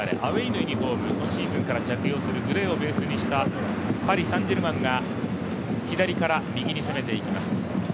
青いユニフォーム、今シーズンから着用するグレーをベースにしたパリ・サン＝ジェルマンが左から右に攻めていきます。